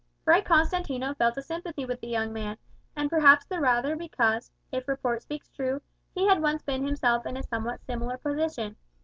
Fray Constantino felt a sympathy with the young man; and perhaps the rather because, if report speaks true, he had once been himself in a somewhat similar position.